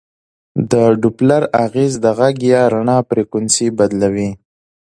د ډوپلر اغېز د غږ یا رڼا فریکونسي بدلوي.